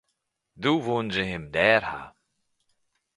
Doe woenen se him dêr ha.